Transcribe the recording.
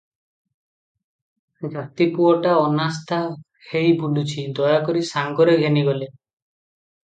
ଜାତିପୁଅଟା ଅନାସ୍ଥା ହେଇ ବୁଲୁଛି, ଦୟାକରି ସାଙ୍ଗରେ ଘେନିଗଲେ ।